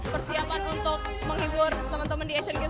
persiapan untuk menghibur teman teman di asian games dua ribu delapan belas